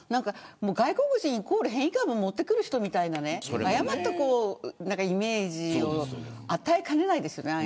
外国人イコール変異株を持ってくる人みたいな誤ったイメージを与えかねないですよね。